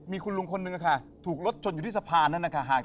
มีคุณลุงคนนึงค่ะ